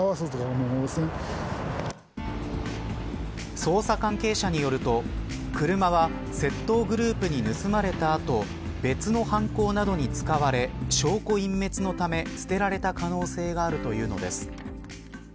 捜査関係者によると車は窃盗グループに盗まれた後別の犯行などに使われ証拠隠滅のため捨てられた可能性があるというのです。